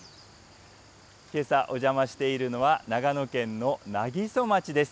けさ、お邪魔しているのは、長野県の南木曽町です。